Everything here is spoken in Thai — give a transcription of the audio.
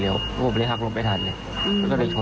แล้วที่ชนเรานี่เป็นกระบะหรือมอเตอร์ไซคัน